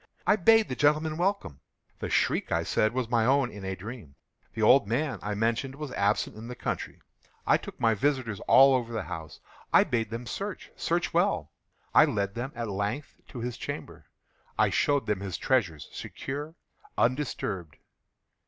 I bade the gentlemen welcome. The shriek, I said, was my own in a dream. The old man, I mentioned, was absent in the country. I took my visitors all over the house. I bade them search—search well. I led them, at length, to his chamber. I showed them his treasures, secure, undisturbed.